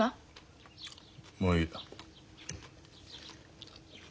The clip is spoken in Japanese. もういい。